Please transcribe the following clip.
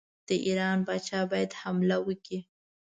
د ایران پاچا باید حمله وکړي.